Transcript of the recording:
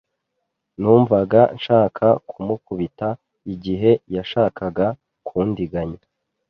Numvaga nshaka kumukubita igihe yashakaga kundiganya.